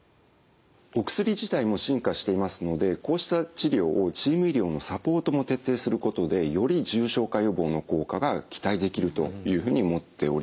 お薬自体も進化していますのでこうした治療をチーム医療のサポートも徹底することでより重症化予防の効果が期待できるというふうに思っております。